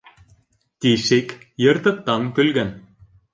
Тишек йыртыҡтан көлгән.